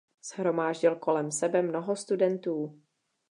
Shromáždil kolem sebe mnoho studentů.